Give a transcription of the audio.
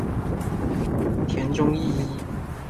田中义一。